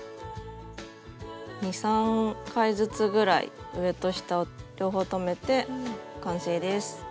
２３回ずつぐらい上と下を両方留めて完成です。